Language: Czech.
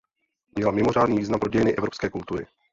Měla mimořádný význam pro dějiny evropské kultury.